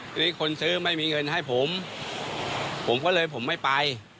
ทีนี้คนซื้อไม่มีเงินให้ผมผมก็เลยผมไม่ไป